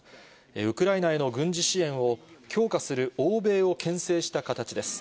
ウクライナへの軍事支援を強化する欧米をけん制した形です。